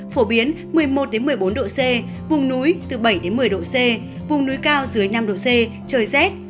phổ biến một mươi một một mươi bốn độ c vùng núi từ bảy một mươi độ c vùng núi cao dưới năm độ c trời rét